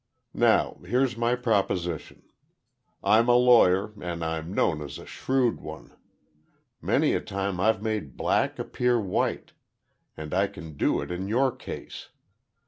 Now, here's my proposition. I'm a lawyer, and I'm known as a shrewd one. Many a time I've made black appear white—and I can do it in your case.